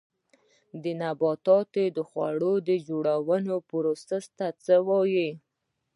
د نباتاتو د خواړو جوړولو پروسې ته څه وایي